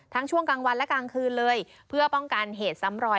ช่วงกลางวันและกลางคืนเลยเพื่อป้องกันเหตุซ้ำรอย